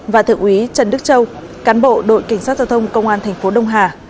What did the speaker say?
và thượng úy trần đức châu cán bộ đội cảnh sát giao thông công an thành phố đông hà